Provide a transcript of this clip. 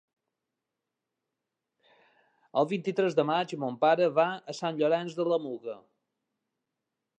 El vint-i-tres de maig mon pare va a Sant Llorenç de la Muga.